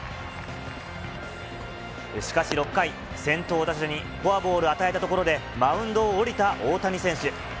しかし６回、先頭打者にフォアボールを与えたところで、マウンドを降りた大谷選手。